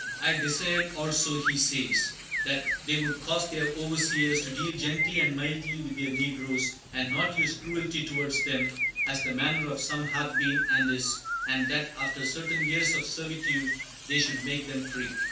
"I desired, also," he says, "that they would cause their overseers to deal gently and mildly with their negroes, and not use cruelty towards them as the manner of some hath been and is; and that, after certain years of servitude, they should make them free."